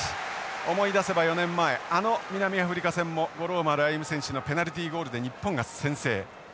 思い出せば４年前あの南アフリカ戦も五郎丸歩選手のペナルティゴールで日本が先制。